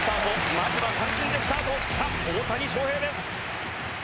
まずは三振でスタートを切った大谷翔平です。